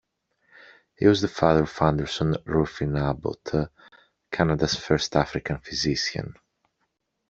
He was the father of Anderson Ruffin Abbott, Canada's first African physician.